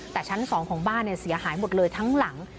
แต่ชั้น๒ของบ้านเสียหายหมดเลยทั้งหลัง